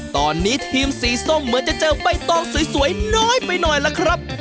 ตอนนี้ทีมสีส้มเหมือนจะเจอใบตองสวยน้อยไปหน่อยล่ะครับ